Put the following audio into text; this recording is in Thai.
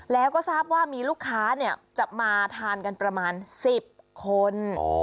แล้วก็ทราบว่ามีลูกค้าจะมาทานกันประมาณ๑๐คน